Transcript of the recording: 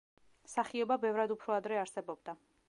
სახიობა ბევრად უფრო ადრე არსებობდა.